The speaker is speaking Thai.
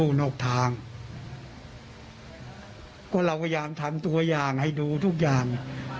ว่าเราพยายามทำตัวอย่างให้ดูทุกอย่าง